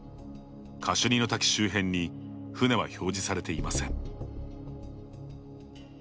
カシュニの滝周辺に船は表示されていません。